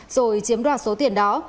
rồi chiếm đoạt số tiền đó